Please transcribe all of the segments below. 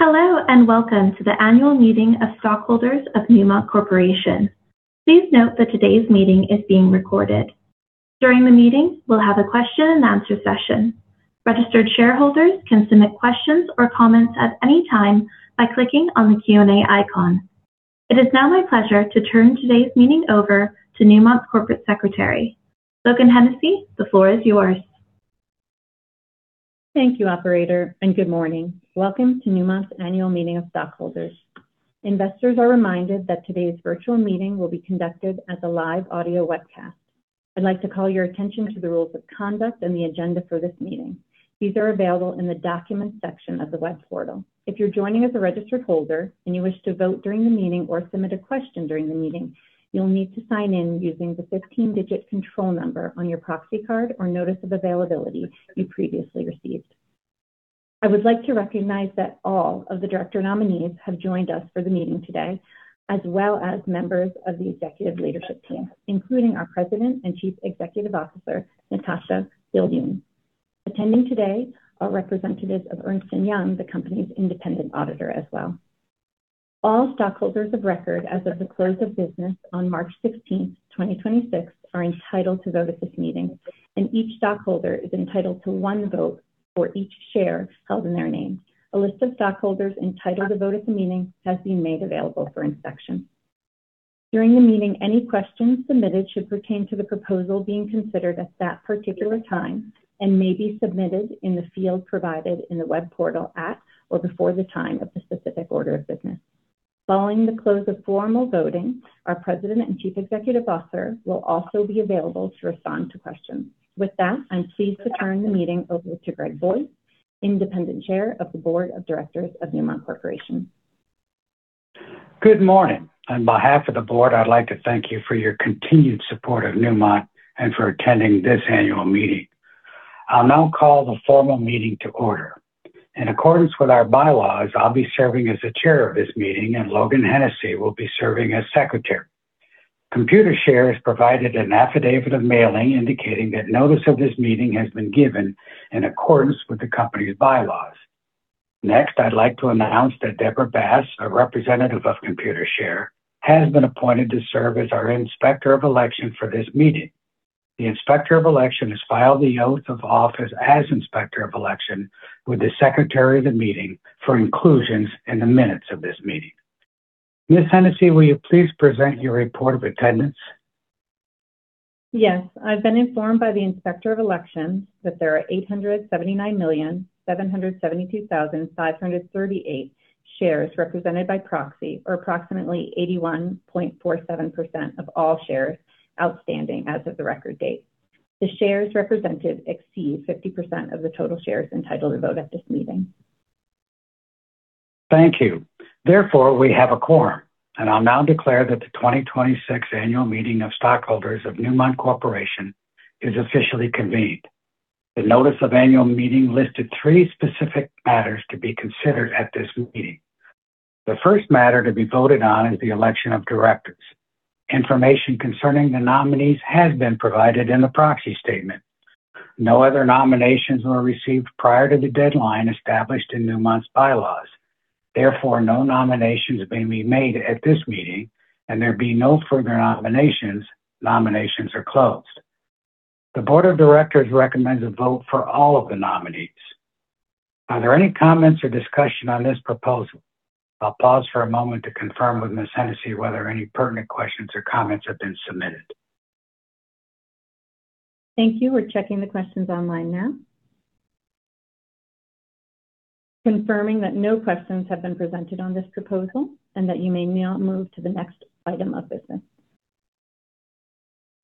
Hello, welcome to the annual meeting of stockholders of Newmont Corporation. Please note that today's meeting is being recorded. During the meeting, we'll have a question and answer session. Registered shareholders can submit questions or comments at any time by clicking on the Q&A icon. It is now my pleasure to turn today's meeting over to Newmont's corporate secretary. Logan Hennessy, the floor is yours. Thank you, operator, and good morning. Welcome to Newmont's annual meeting of stockholders. Investors are reminded that today's virtual meeting will be conducted as a live audio webcast. I'd like to call your attention to the rules of conduct and the agenda for this meeting. These are available in the documents section of the web portal. If you're joining as a registered holder and you wish to vote during the meeting or submit a question during the meeting, you'll need to sign in using the 15-digit control number on your proxy card or notice of availability you previously received. I would like to recognize that all of the director nominees have joined us for the meeting today, as well as members of the executive leadership team, including our President and Chief Executive Officer, Natascha Viljoen. Attending today are representatives of Ernst & Young, the company's independent auditor as well. All stockholders of record as of the close of business on March 16th, 2026 are entitled to vote at this meeting, and each stockholder is entitled to one vote for each share held in their name. A list of stockholders entitled to vote at the meeting has been made available for inspection. During the meeting, any questions submitted should pertain to the proposal being considered at that particular time and may be submitted in the field provided in the web portal at or before the time of the specific order of business. Following the close of formal voting, our President and Chief Executive Officer will also be available to respond to questions. With that, I'm pleased to turn the meeting over to Greg Boyce, Independent Chair of the Board of Directors of Newmont Corporation. Good morning. On behalf of the board, I'd like to thank you for your continued support of Newmont and for attending this annual meeting. I'll now call the formal meeting to order. In accordance with our bylaws, I'll be serving as the chair of this meeting, and Logan Hennessy will be serving as secretary. Computershare has provided an affidavit of mailing indicating that notice of this meeting has been given in accordance with the company's bylaws. Next, I'd like to announce that Deborah Bass, a representative of Computershare, has been appointed to serve as our Inspector of Election for this meeting. The Inspector of Election has filed the oath of office as Inspector of Election with the secretary of the meeting for inclusions in the minutes of this meeting. Ms. Hennessy, will you please present your report of attendance? Yes. I've been informed by the Inspector of Elections that there are 879,772,538 shares represented by proxy, or approximately 81.47% of all shares outstanding as of the record date. The shares represented exceed 50% of the total shares entitled to vote at this meeting. Thank you. Therefore, we have a quorum, and I'll now declare that the 2026 Annual Meeting of Stockholders of Newmont Corporation is officially convened. The notice of annual meeting listed three specific matters to be considered at this meeting. The first matter to be voted on is the election of directors. Information concerning the nominees has been provided in the proxy statement. No other nominations were received prior to the deadline established in Newmont's bylaws. Therefore, no nominations may be made at this meeting, and there be no further nominations. Nominations are closed. The board of directors recommends a vote for all of the nominees. Are there any comments or discussion on this proposal? I'll pause for a moment to confirm with Ms. Hennessy whether any pertinent questions or comments have been submitted. Thank you. We're checking the questions online now. Confirming that no questions have been presented on this proposal and that you may now move to the next item of business.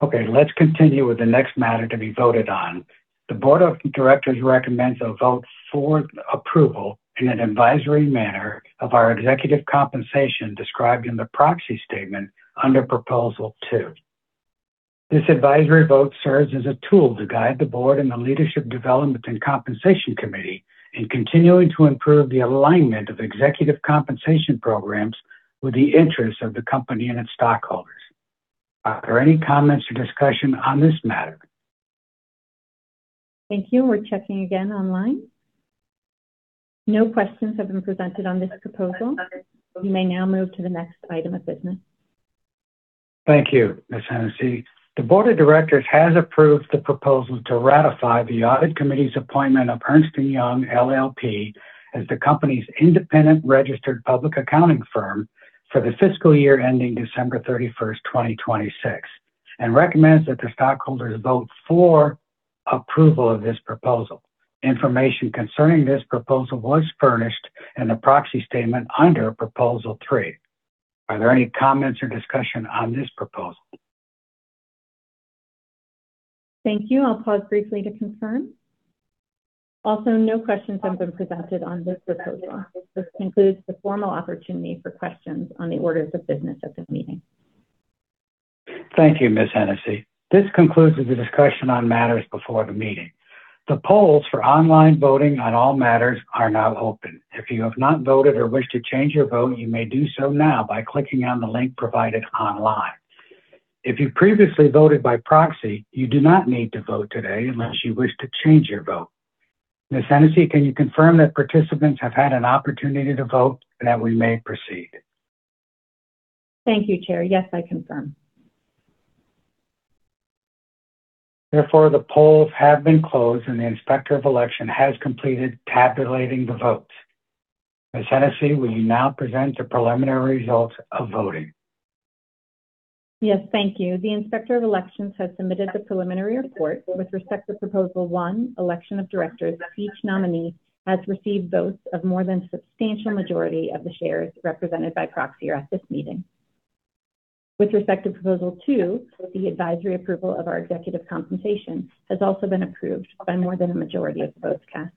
Okay, let's continue with the next matter to be voted on. The board of directors recommends a vote for approval in an advisory manner of our executive compensation described in the proxy statement under proposal two. This advisory vote serves as a tool to guide the board and the leadership development and compensation committee in continuing to improve the alignment of executive compensation programs with the interest of the company and its stockholders. Are there any comments or discussion on this matter? Thank you. We're checking again online. No questions have been presented on this proposal. We may now move to the next item of business. Thank you, Ms. Hennessy. The board of directors has approved the proposal to ratify the audit committee's appointment of Ernst & Young LLP as the company's independent registered public accounting firm for the fiscal year ending December 31st, 2026, and recommends that the stockholders vote for approval of this proposal. Information concerning this proposal was furnished in the proxy statement under proposal three. Are there any comments or discussion on this proposal? Thank you. I'll pause briefly to confirm. No questions have been presented on this proposal. This concludes the formal opportunity for questions on the orders of business at this meeting. Thank you, Ms. Hennessy. This concludes the discussion on matters before the meeting. The polls for online voting on all matters are now open. If you have not voted or wish to change your vote, you may do so now by clicking on the link provided online. If you previously voted by proxy, you do not need to vote today unless you wish to change your vote. Ms. Hennessy, can you confirm that participants have had an opportunity to vote that we may proceed? Thank you, Chair. Yes, I confirm. The polls have been closed, and the Inspector of Election has completed tabulating the votes. Ms. Hennessy, will you now present the preliminary results of voting? Yes. Thank you. The Inspector of Elections has submitted the preliminary report with respect to proposal one, election of directors. Each nominee has received votes of more than substantial majority of the shares represented by proxy or at this meeting. With respect to proposal two, the advisory approval of our executive compensation has also been approved by more than a majority of the votes cast.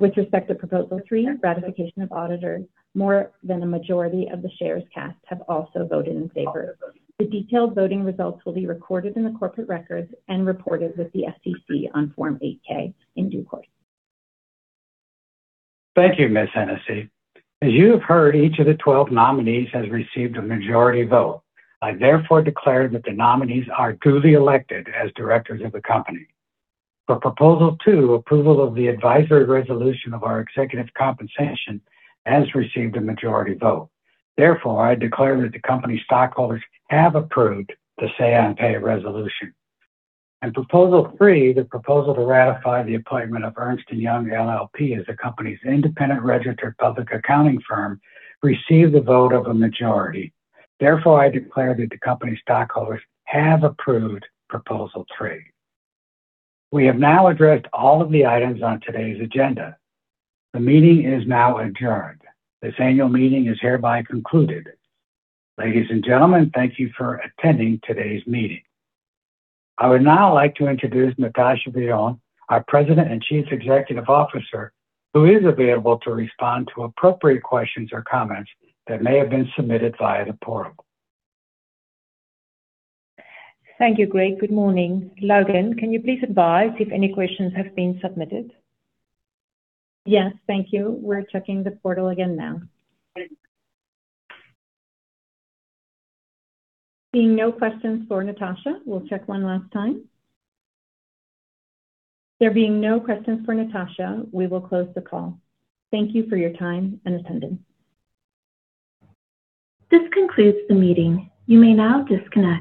With respect to proposal three, ratification of auditor, more than a majority of the shares cast have also voted in favor. The detailed voting results will be recorded in the corporate records and reported with the SEC on Form 8-K in due course. Thank you, Ms. Hennessy. As you have heard, each of the 12 nominees has received a majority vote. I therefore declare that the nominees are duly elected as directors of the company. For proposal two, approval of the advisory resolution of our executive compensation has received a majority vote. Therefore, I declare that the company stockholders have approved the say on pay resolution. In proposal three, the proposal to ratify the appointment of Ernst & Young LLP as the company's independent registered public accounting firm received the vote of a majority. Therefore, I declare that the company stockholders have approved proposal three. We have now addressed all of the items on today's agenda. The meeting is now adjourned. This annual meeting is hereby concluded. Ladies and gentlemen, thank you for attending today's meeting. I would now like to introduce Natascha Viljoen, our President and Chief Executive Officer, who is available to respond to appropriate questions or comments that may have been submitted via the portal. Thank you, Greg. Good morning. Logan, can you please advise if any questions have been submitted? Yes. Thank you. We're checking the portal again now. Seeing no questions for Natascha. We'll check one last time. There being no questions for Natascha, we will close the call. Thank you for your time and attendance. This concludes the meeting. You may now disconnect.